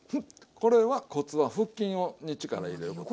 これはコツは腹筋に力入れること。